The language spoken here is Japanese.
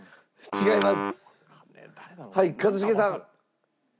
違います。